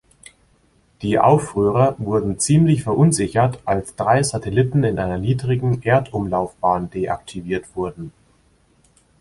Die Aufrührer wurden ziemlich verunsichert, als drei Satelliten in einer niedrigen Erdumlaufbahn deaktiviert wurden.